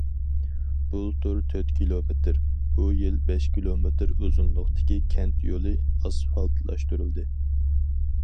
بۇلتۇر تۆت كىلومېتىر، بۇ يىل بەش كىلومېتىر ئۇزۇنلۇقتىكى كەنت يولى ئاسفالتلاشتۇرۇلدى.